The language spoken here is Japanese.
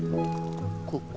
ここ。